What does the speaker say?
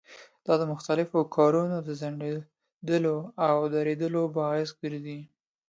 دا د مختلفو کارونو د ځنډېدلو او درېدلو باعث ګرځي.